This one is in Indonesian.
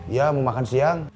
iya mau makan siang